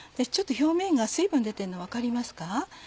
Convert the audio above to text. ちょっと表面が水分出てるの分かりますか。